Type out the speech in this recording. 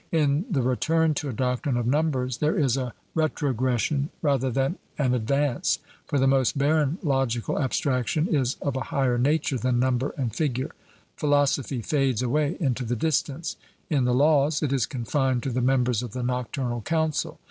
In the return to a doctrine of numbers there is a retrogression rather than an advance; for the most barren logical abstraction is of a higher nature than number and figure. Philosophy fades away into the distance; in the Laws it is confined to the members of the Nocturnal Council.